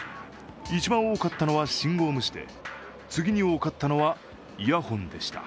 一番多かったのは信号無視で次に多かったのはイヤホンでした。